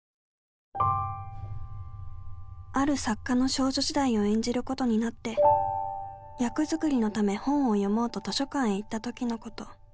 ある作家の少女時代を演じることになって役作りのため本を読もうと図書館へ行った時のこと。